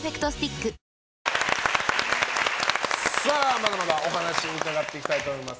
まだまだお話伺っていきたいと思います。